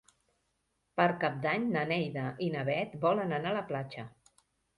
Per Cap d'Any na Neida i na Bet volen anar a la platja.